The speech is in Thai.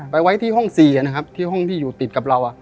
ไว้ที่ห้อง๔นะครับที่ห้องที่อยู่ติดกับเรา